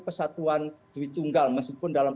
kesatuan di tunggal meskipun dalam